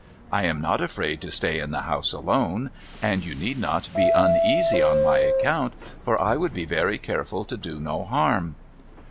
I am not afraid to stay in the house alone. And you need not be uneasy on my account, for I would be very careful to do no harm.'